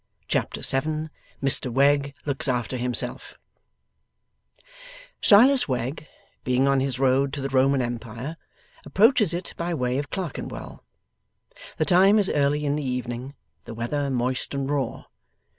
Chapter 7 MR WEGG LOOKS AFTER HIMSELF Silas Wegg, being on his road to the Roman Empire, approaches it by way of Clerkenwell. The time is early in the evening; the weather moist and raw.